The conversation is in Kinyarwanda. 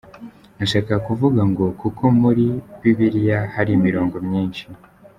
Nashakaga kuvuga ngo kuko muri "Bibilya" hari imirongo myinshi.